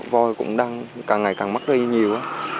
voi cũng đang càng ngày càng mắc đi nhiều